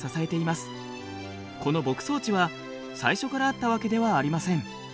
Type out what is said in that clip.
この牧草地は最初からあったわけではありません。